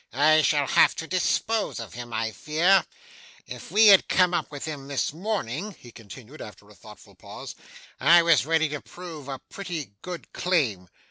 I shall have to dispose of him, I fear. If we had come up with them this morning,' he continued, after a thoughtful pause, 'I was ready to prove a pretty good claim.